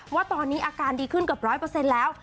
ว่าตอนนี้อาการดีขึ้นเกือบร้อยเปอร์เซ็นต์แล้ว